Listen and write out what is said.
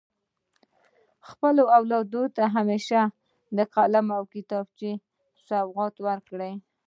خپلو اولادونو ته همیشه قلم او کتابچه په سوغات کي ورکړئ.